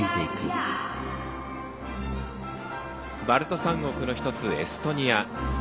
バルト三国の１つ、エストニア。